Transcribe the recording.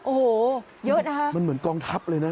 โอ้โหเยอะนะคะมันเหมือนกองทัพเลยนะ